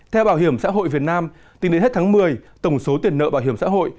theo bảo hiểm xã hội việt nam tính đến hết tháng một mươi tổng số tiền nợ bảo hiểm xã hội